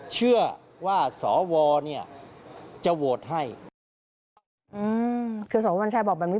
เชื่อว่าสเนี่ยจะโหวตให้อืมคือสบอกแบบนี้